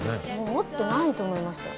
持ってないと思いました。